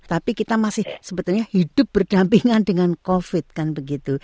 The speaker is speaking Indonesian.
tapi kita masih sebetulnya hidup berdampingan dengan covid kan begitu